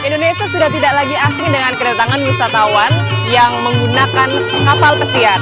indonesia sudah tidak lagi asing dengan kedatangan wisatawan yang menggunakan kapal pesiar